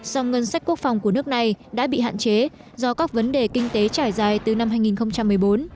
song ngân sách quốc phòng của nước này đã bị hạn chế do các vấn đề kinh tế trải dài từ năm hai nghìn một mươi bốn